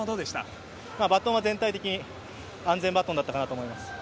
バトンは全体的に安全バトンだったかなと思います。